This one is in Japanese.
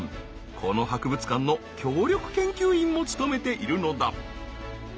この博物館の協力研究員も務めているのだ。